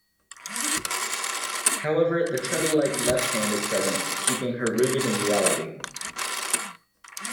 However, the treadle-like left hand is present, keeping her rooted in reality.